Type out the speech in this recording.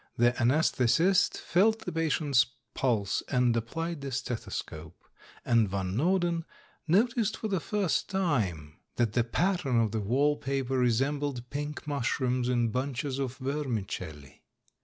The ansesthetist felt the patient's pulse, and applied the stethoscope; and Van Norden noticed for the first time that the pattern of the 332 THE MAN WHO UNDERSTOOD WOMEN wall paper resembled pink mushrooms in bunches of vermicelli.